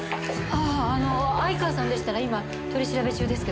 あの愛川さんでしたら今取り調べ中ですけど。